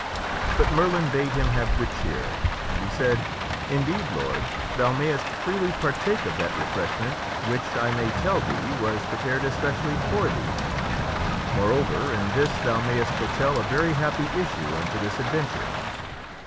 But Merlin bade him have good cheer, and he said, " Indeed, Lord, thou mayst freely partake of that refreshment which, I may tell thee, was prepared especially for thee. Moreover in this thou mayst foretell a very happy issue unto this ad venture."